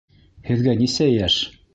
— Һеҙгә нисә йәш?